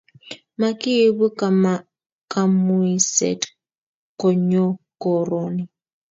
Makiibu kamuiset konyo kooroni